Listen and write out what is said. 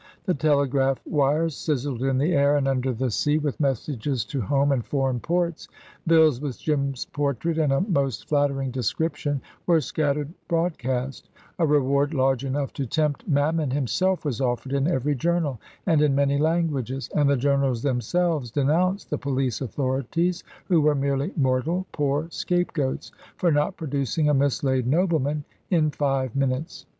The telegraph wires sizzled in the air and under the sea, with messages to home and foreign ports; bills with Jim's portrait and a most flattering description were scattered broadcast; a reward large enough to tempt Mammon himself was offered in every journal, and in many languages; and the journals themselves denounced the police authorities who were merely mortal, poor scapegoats for not producing a mislaid nobleman in five minutes.